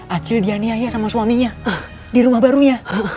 acil dianiaya sama suaminya di rumah barunya